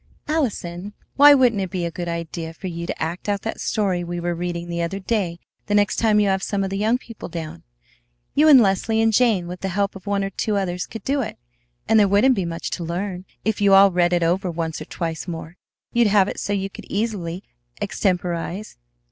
"Allison, why wouldn't it be a good idea for you to act out that story we were reading the other day the next time you have some of the young people down? You and Leslie and Jane with the help of one or two others could do it, and there wouldn't be much to learn. If you all read it over once or twice more, you'd have it so you could easily extemporize.